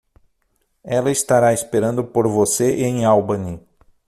Ela estará esperando por você em Albany.